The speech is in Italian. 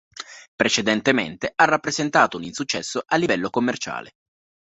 Precedentemente ha rappresentato un insuccesso a livello commerciale.